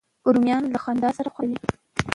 رومیان له خندا سره خوند کوي